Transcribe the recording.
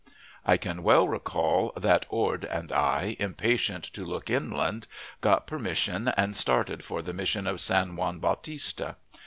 I can well recall that Ord and I, impatient to look inland, got permission and started for the Mission of San Juan Bautista.